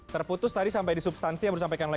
tapi saya ingin ke substansi mas rehat